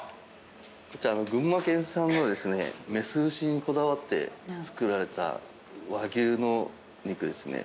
こちら群馬県産の雌牛にこだわって作られた和牛の肉ですね。